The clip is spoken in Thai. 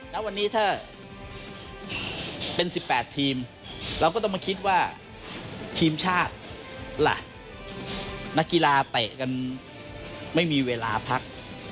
แล้ววันนี้ถ้าเป็น๑๘ทีมเราก็ต้องมาคิดว่าทีมชาติล่ะนักกีฬาเตะกันไม่มีเวลาพัก